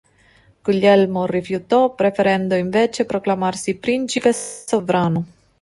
Guglielmo rifiutò, preferendo invece proclamarsi "principe sovrano".